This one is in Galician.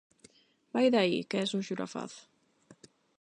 Vai de aí, que es un xurafaz!